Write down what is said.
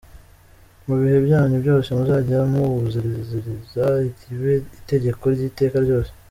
Mu bihe byanyu byose muzajye muwuziririza, ribe itegeko ry’iteka ryose.